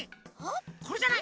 これじゃない？